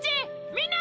みんな？